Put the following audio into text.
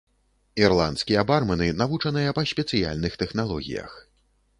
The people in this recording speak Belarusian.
Ірландскія бармэны навучаныя па спецыяльных тэхналогіях.